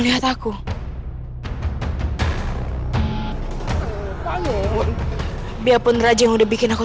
lihat satu jatuh